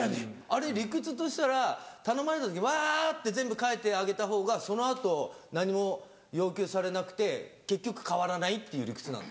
あれ理屈としたら頼まれた時ワって全部書いてあげたほうがその後何も要求されなくて結局変わらないっていう理屈なんですか？